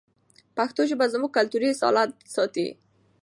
پښتو ژبه زموږ کلتوري اصالت ساتي.